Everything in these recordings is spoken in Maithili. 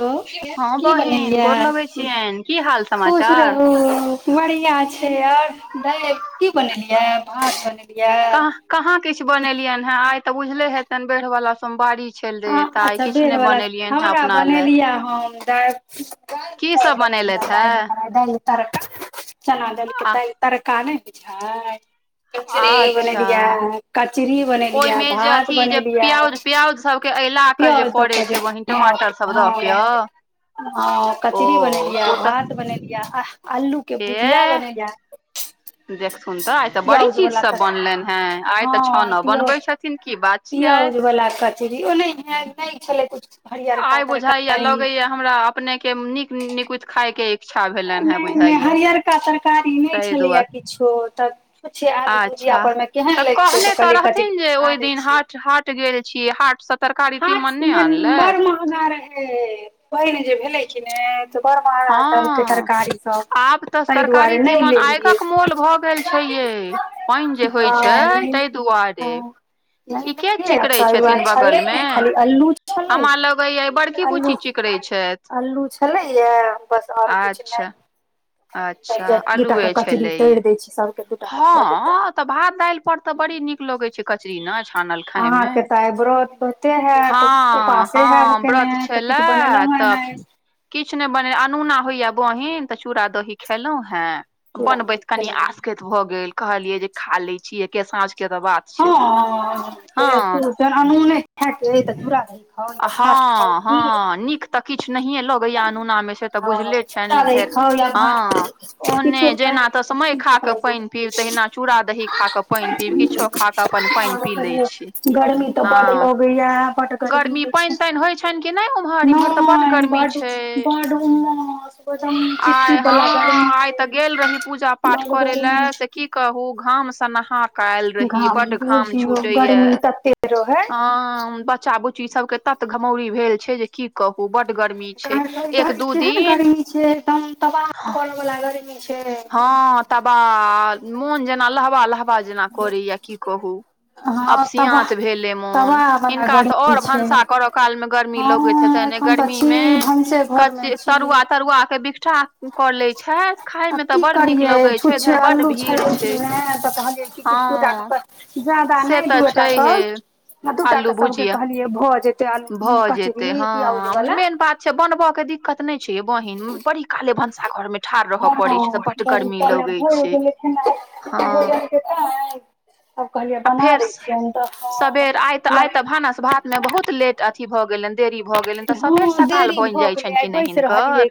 ह की बनेलियै खुश रहू बढ़िया छै और दाय की बनेलिये भात बनेलिये कहाँ कहाँ किछु बनेलियनि हेँ आइ तऽ बुझले हेतनि बाढ़ि वला सोमवारी छल अ अच्छा बेर बला हमरा बनेलियै हम द ख बड़ दल ख दहल तरका चना दलके त [unintelligible] [inaudible] तड़का नहि हो छै कचरी बनेलियै [inaudible] कचरी बनेलियै भात बनेलियै पियौज दके थे हँ हँ [inaudible] [unintelligible] ह कचरी बनेलियै भात बनेलियै आ आलूके भुजिया बनेलियै देख थुन तऽ आइ तऽ बड़ी चीज सब बनलनि हेँ आइ तऽ छओ न बनबै छथिन पआउज बला कचरी ओ नहि ह नहि छलै कछ आय बुझााय या लगे या हमरा अपने के नीक निकुत खााय के नहि नहि हरियरका तरकारी नहि छलैए किछो तऽ छुछि आलू भुजि पररमे केहन लैके छै तऽ कनि कच बढ़ा दै छियै हटि गेल छीय हाट स तरकारी तीमन नहि अनलथि रहे पैन जे भेलै कि ने बड‌ महंगा क देलके तरकारीसभ ताहि दुआरे नहि लेलियै गेल छै ये पानि जे होइ छै ताहि दुआरे चु अच्छा लै नै [inaudible] खाली अल्लू छलै अल्लू छलै बस आरो किछु नहि दूटा के कचरी तर दय छै सबके हँ तऽ भात दालि पर तऽ बड़ी नीक लगैत छै कचरी ने छानल खायमे व्रत होते है तऽ उपासे हैब केने तऽ किछु बनेलहु हे न किछु नहि बने अनुना होइया बहीन तऽ चूड़ा दही खयेलहुँ हेँ बनबैत कनि आसकैत भऽ गेल कहलियै जे खा लै छियै एक साँझ के तऽ बात हँ ज अनुने नहि खायके तऽ चूड़ दी खाउ भात खाउ की [unintelligible] तऽछु नहिए लगै अनुना मे से तऽ बुझले छनिर हँ ओहने जेना तसमैऽ खा पानि पीब तहिना चूड़ा दही खााक पानि पीब किछो खााक अपन पानि पी ले छी गर्मी तऽ बड लगैया बडड गर्मी छै नहि बड बड उमस चि चिप चिप बला लग [inaudible] पूजा पाठ करै ल की कहु घाम‌ से नहा ह क आयल रही बड घाम छुटे य ह बच्चा ब ची सबके तत घमौरी भेल छै जे र केहन गर्मी छैदम तब [unintelligible] करऽ वला गर्मी छै हँ तबा मोन जेना लहबा लहबा जेना करैया कि कहू अफसियात भेल ए मोन हिनका तऽ आओर भनसा करऽ कालमे गर्मी लगैत हेतैइन गरमी मे कत्ते तरुआ तरुआ के बिकठाह कऽ लै छै। देखै मे तऽ बड नीक लगै छै फेर बड्ड भीड़ छै हँ से तऽ छैहे। आलू भुजिया भऽ जेतै हँ मेन से बनबय के दिक्कत नै छै यै बहिन बड़ी काले भनसा घर मे ठाड़ रहय पड़े छै। बड़ी कला भोर भेलय खेनाय एखन आब कहलियै बना दै छियै हम तऽ हम लगले भागि जाय। मे बहुत लेट अथी भऽ गेल। देरी भऽ गेलइ तऽ सबेर सकाल बनि जाय छनि ने हिनकर।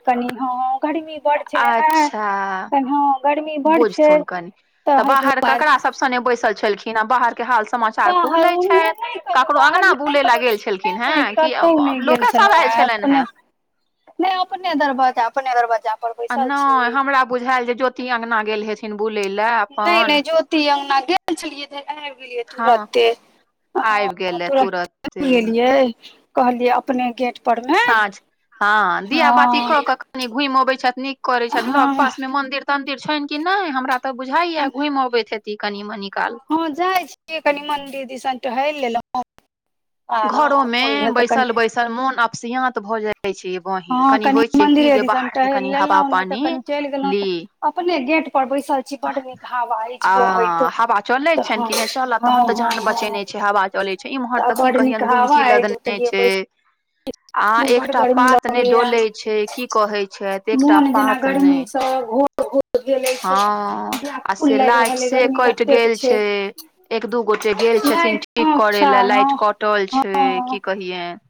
अच्छा ऐ हँ गरमी बुझथुन कनि तऽ बाहर ककरा सभ सने बैसल छलखिन आ बाहर के हाल समाचार खूब लय छथि ककरो अंगना बुलय लेल गेल छलखिन हे। कियौ बाप लोकक सभ आयल छलन्हि हें नहि अपने दरवाजा अपने दरवाजा। आ नहि हमरा बुझायल जे ज्योति अंगना गेल हेथिन्ह बुलय लए। नहि नहि ज्योति अंगना गेल छलियै तैंय आबि गेलियै तुरंते ह तुरते आबि गेलियै कहलियै अपने गेट साँझ हँ दिया बाती कऽ कनि घुमि अबैत छथि नीक करैत छथि लग पास मे मंदिर तंन्दिर छनि कि नहि हमरा। तऽ बुझाइये घुमि अबैत हेती कनि मनि काल ह जाय छियै कनी मंदिर दिसन टहलै लऽ आ हँ मोन भेल तऽ कनि। सर मोन अपसियांत भऽ जाइ छै यौ। बहिन कनि होइ छै की जे बाहर के कनि हवा पानी ली। अह आ हवा चलै छनि कि नहि, चलऽ तहन तऽ जान बचेने छै हवा। चले छै इमहर तऽ की कहियैन गुमकि लदने छै आ एकटा पात नइ डोले छै की कहै छथि एकटा पात नइ। हँ आ से लाइट से कटि गेल छै। एक दू गोटे गेल छथिन्ह ठीक करय लय लाइट कटल छै की कहियैन।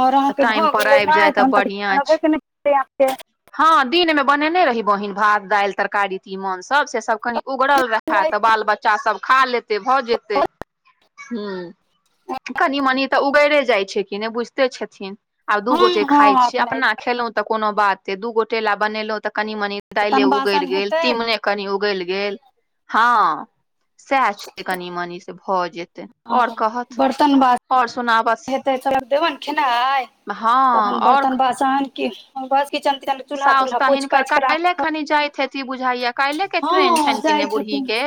आओर अहाँकेँ भऽ गेलै नहि तखन तऽ जनबहे के नहि तैयार छियै हँ दिनमे बनेने रही बहीन भात दालि तरकारी तीमन सभ से सभ कनि। उगड़ल रखता तऽ बाल बच्चा सभ खा लेतै भऽ जेतै। हुँ कनि मनी तऽ उगैरे जाइ छै कि नहि बुझिते छथिन। आब दू गोटे खाय छी अपना खेलो तऽ कोनो बाते दू गोटे ला बनेलहु तऽ कनी मनी दाइले उगड़ि गेल तीमने कनि उगलि गेल हँ। सएह छै कनी मनी से भऽ जेतै आओर कहथ आओर सुनाबथ। हेते चलऽ देबो ने खेनाइ तखन बर्तन बासन कि बस किचन। साउस त हिनकर काइल्हेखनि जाइत। छेती बुझाइये कालल के ट्रेन छनि कि ने बूढ़ी के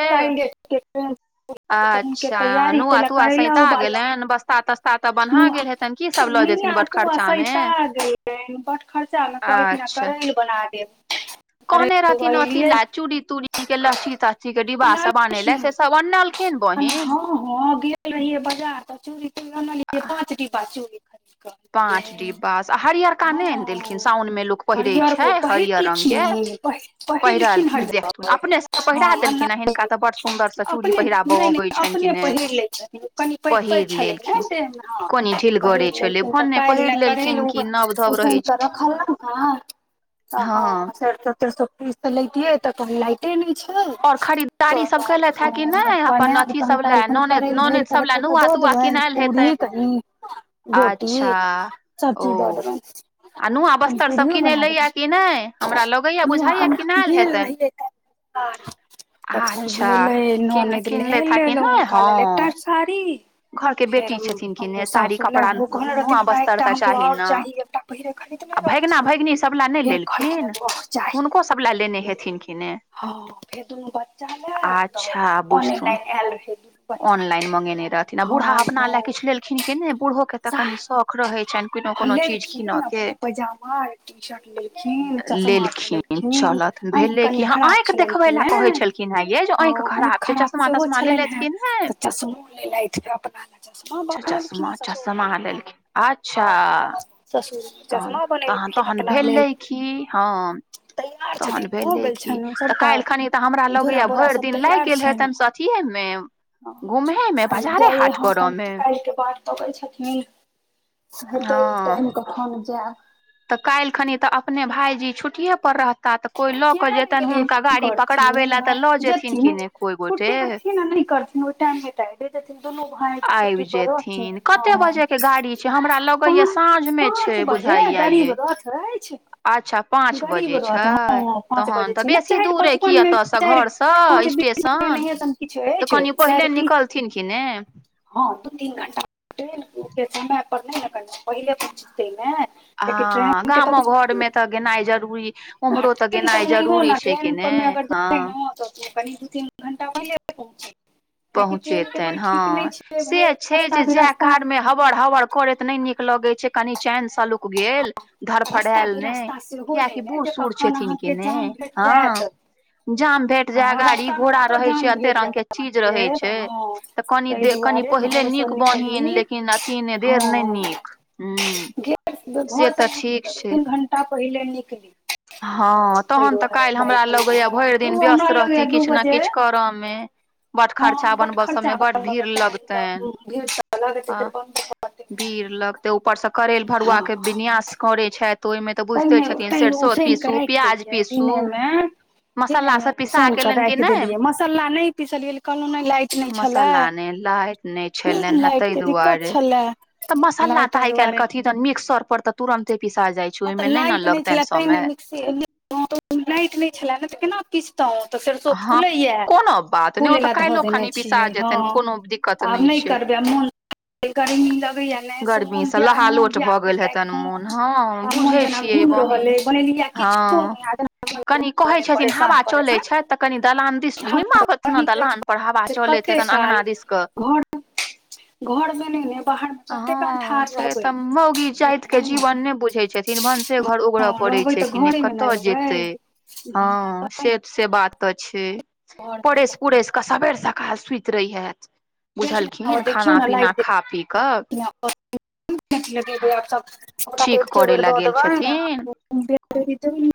अच्छऽ नुआ तुआ सैंता गेलैन बसता तस। आ तऽ बन्हा गेल हेतन्हि की सभ लऽ जेथिन्ह बट खर्चा मे। ह बट खर्चा मे कहलखिन आ करैल बना देब। कहने रहथिन अथी लय चूड़ी तूड़ी के लहठी तहठी के डिब्बा सब आने लय से हँ हँ गेल रहियै बजार तऽ चूरी किन क अनलियै गे पाँच डिब्बा चूड़ी [unintelligible] ह हरियर ओ पहिर की छी प- पढ़ेलखिन हर जगह पर हं [unintelligible] नै नै अपने पहिर लै छथिन कनि पैघ पैघ छलै ने देह मे अ पहिर लेतय तऽ काइल्ह लेल [unintelligible] [unintelligible] हँ त हम सरसो तेरसो पीस तऽ लेतियै तऽ कहलिये लाइटे नै छै त बनायब त काईल्खन करेल भरि कहते तऽ दऽ देबनि पूरी [unintelligible] रोटी सब्जी द देबेन त पूड़ियो बना देबै भेल [unintelligible] [unintelligible] ननैदले एले [unintelligible] सारी घर के बेटी छथिन [unintelligible] साड़ी कपड़ा नुआ बस्तर त चाही न अ भैगना भैगनी सब ला नै लेलखिन हुनको सब ला लेने हेथिन कि ने आच्छा बुझथुन ऑउनलाइन मंगेने रहथिन बूरहा अपना ल किछ लेलखिन कि नहि बूरहो ह लेलखिन अपनो पजामा टी शर्ट लेलखिन खिन चश्मा क लेलखिन अईंख कनि खराब छलैन किने ओ अईख खराब सेहो छेलैहन हे त चश्मो लेलैथ [unintelligible] [unintelligible] ह बनलखिन हे ससुर [unintelligible] लेलखिन अच्छाऽ तहन तन तहन भेलै कि हँ। तहन भेले की तऽ कैल खन तऽ हमरा लगैया भैर दिन लैग गेल हेतैन स [unintelligible] ह खाली जाइये ह क कैल के बाट तकय छथिन। हेतय टाइम कखन जायब तऽ कैल खनि तऽ अपने भायजी छुट्टि पर रह ता तऽ कोई लऽ कऽ जेतनि हुनका गाड़ी पकड़ाबे लए तऽ लऽ जेथिन कि ने कोई गोटे [unintelligible] दुनु भाई छुटी पर रहथीन हाँ के गाड़ी छै हमरा लगे या साँझ मे छै बुझाईया ये अच्छा पाँच बजे छै ओ पाँच बजे छै ने चैर पचपन मे चैर पाँच बीच एनाहि सम किछ अइछ [unintelligible] हँ दू तीन घंटा ओ समय पर ने पहिले पहुंचते ने हँ गामो घरमे तऽ गेनाइ जरूरी उमहरो तऽ गेनाइ जरूरी छै कि ने हँ तऽ तू कनि दू तीन घंटा [unintelligible] पहुँचेतैन हँ से छै जे जे काल मे हबड़ हबड़ करैत नई नीक लगे छै कनी चैन स लोक गेल धरफड़ैयल ने कियाकि बूरह सूरह छथिन के ने हँ जाम भेट जाय गाड़ी घोड़ा रहे छै एते रंग के चीज [unintelligible] रहै छै तऽ कनि दे कनि पहिले नीक बहिन लेकिन अथि देर ननै नीक हूं घर स निकली तऽ दू तीन घंटा पहिले निकली हँ तहन तऽ काल्हि हमरा लगैया भरि दिन व्यस्त रहती किछ ने किछ करयमे बट्ट खर्चा बनबै सबमे बड भीड़ लगतनि आ भीर लग ते ऊपर से करेल भरुआ के विन्यास करे छै ओहिमे त बुझते छथिन सरसो सो प्याज पीसू मसल्ला सब पिसा गेलनि कि नहि मसाला नहि लै नहि छलनि हे ताहि दुआरे तऽ मसाला तऽ आइ काल्हि कथि मिक्सर पर त तुरंते पिसा जाइ ह तऽ लाइट नहि छले ते ने मिक्सी लाइट नहि छले ने त केना प [unintelligible] तौं तऽ सरसो फूलैया फूलै लऽ धऽ देने छियै हँ त आब नहि करबै आब मोन क गर्मी लगैया नहि से मन व्या मन व्याकुल लागै हं मन जेना घुम रहल यै बनेलिय किछो नहि [unintelligible] परेशान परेशान तऽ कनि दलान दिस घुमि आबथि ने दलान पर हवा चलैत हेतन अङंगना दिस क हँ छै तऽ मौगी जाइत के जीवन नहि बुझै छथिन भनसे घर ओगरऽ पड़ै छै कि नै कत जेतै हं से से बात तऽ छै परसि उरसि कऽ सबेर सकाल सुति रैऽ हथि बुझलखिन खाना पीना खा पी कऽ [unintelligible] एकके बेर दऽ देबनि त [unintelligible]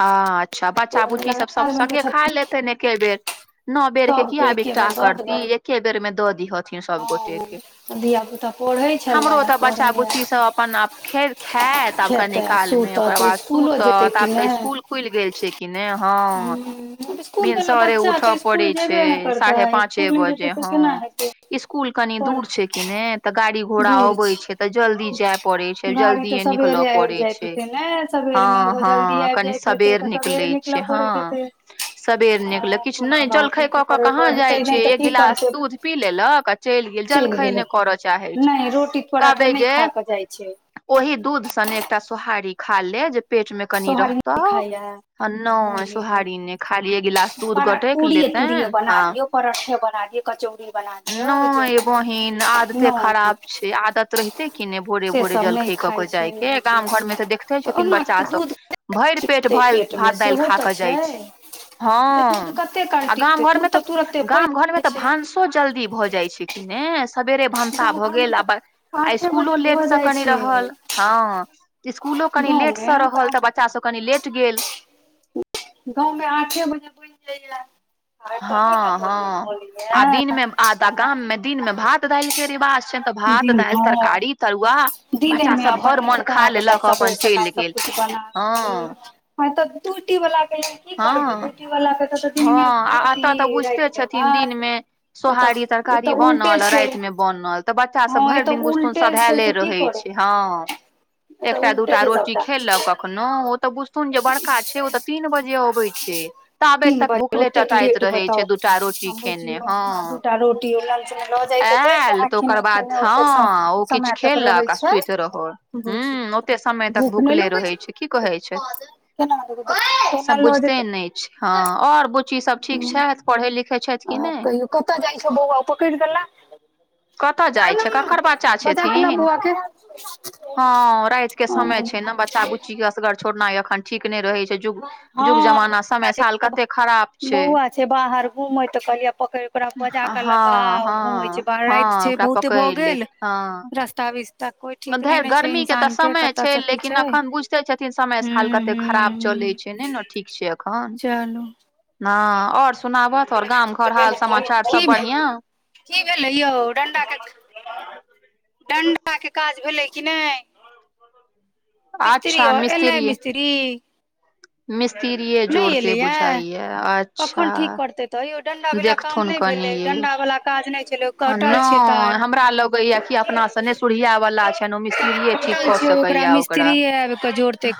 आच्छा बच्चा बुच्ची सब सङ्गे खा लेतेन एके बेर नऽ बेर के किया बिकटाह करती एके बेर में दऽ दीहथ सब गोटे के हमरो तऽ बच्चा बुच्ची सब अपन आप ख खाएत आब कनि काल मे ओकर बाद सुतत आब तऽ स्कूल खुलि गेल छै कि ने हँ भिनसरे उठऽ पड़ै छै साढ़े पाँचे बजे ह इसकुल कनि दूर छै कि ने तऽ गाड़ी घोड़ा अवै छै त जल्दी जाय पड़े छै जल्दीये निकल पड़ै छै ने [unintelligible] सबेर में ओहो जल्दी आ कनी सबेर निकलै छै हँ सबेर निकल किछ नहि जलखै क क कहाँ जाय छै एक गिलास दूध पी लेलक आ चलि गेल जलखै नहि करऽ चाहै नहि रोटी पराठा नहि खा क जाइ छै ओहि दूध सने एकटा सोहारी खा ले जे पेट मे कनि रह तौऽ आ न सुहारी खाली एक गिलास दूध गटैक लेतेैन हँ नऽ यै बहिन, आदते खराप छै, आदत रहि तै किने कि ने भोरे भोरे जलखै कऽ के जायके गाम घर मे तऽ देखते छथिन बच्चा सब भरि पेट भऽ भात दालि खा कऽ जाइ छै। हँ आ गाम घरमे तऽ, गाम घरमे तऽ भानसो जल्दी भऽ जाइ छै। किने सबेरे भनसा भऽ गेल आ अपन पाछे बजे स कनि रहल हँ, इसकुलो कनि लेटस रहल तऽ बच्चा सब कनि लेट गेल। गाँव मे आठे बजे बुनि जाइया। हँ हँ आ दिनमे आ गाममे दिनमे भात दालि के रिवाज छै तऽ भात दालि तरकारी तरुआ दिनेमे अपन निपटा देलक सबेर सकाल सबकुछ बनाक हूंम्म हँ तऽ टूटी वाला मे हँ हँ आ अतऽ तऽ बुझिते छथिन दिनमे सोहारी तरकारी बनल आ राति मे बनल। तऽ बच्चा सब भरि दिन बुझथुन सधैले रहै छै हँ। एकटा दूटा रोटी खेलक कखनो ओ तऽ बुझथुन जे बड़का छै, ओ तऽ तीन बजे अबै छै। ताबे तक भुखले टटाइत रहै छै, दूटा रोटी खेने हँ। रोटी उ लाल चने [unintelligible] आएल तऽ ओकर बाद हँ, ओ किछु खेलक आ सुति रहल। हूंम्म, ओते समय तक भुखले रहै छै की कहै छैथ। सभ बुझते नहि छै हँ आओर बुच्ची सब ठीक छथि पढ़ै लिखै छथि कि नहि। कतऽ जाइ छौ बौआ पकरि कऽ ला कतऽ जाइ छै, ककर बच्चा छथिन। हँ राति के समय छै ने बच्चा बुच्ची के असगर छोड़नाइ अखन ठीक नहि रहै छै। [unintelligible] हँ बौआ छै बाहर घूमैत तऽ कहलियै पकड़ि कऽ ओकरा बजा कऽ लक आउ घूमै छै बाहर राति छै बहुते भऽ गेल रस्ता बिस्त धरि गर्मी के तऽ समय छै लेकिन अखन बुझते छथिन समय हाल कते खराब चलै छै। नहि ने ठीक छै अखन चलू हँ आओर सुनाबोथ आओर गाम घर हाल समाचार सब बढ़ियाँ? की भेलै यौ डंडाके डंडाके काज भेलै कि नहि? अच्छा मिस्त्री मिस्त्रिये जोड़तै बुझाइये अच्छा तैयो डण्डा बला काम नहि भेलै डण्डा बला काज नहि छेलै ओ कटल छै तार। तार कटल छै ओकरा मिस्त्रिये आइब कऽ जोड़तै।